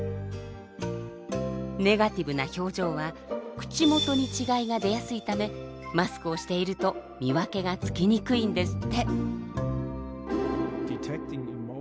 ネガティブな表情は口元に違いが出やすいためマスクをしていると見分けがつきにくいんですって。